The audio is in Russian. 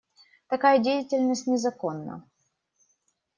Такая деятельность незаконна.